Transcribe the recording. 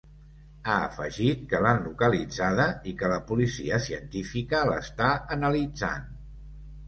Ha afegit que l’han localitzada i que la policia científica l’està analitzant.